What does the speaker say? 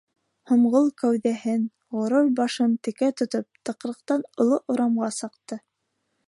Һомғол кәүҙәһен, ғорур башын текә тотоп тыҡрыҡтан оло урамға сыҡты.